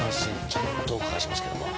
ちょっとお伺いしますけども。